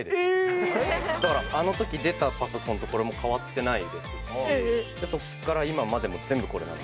だからあの時出たパソコンとこれも変わってないですしそっから今までも全部これなので。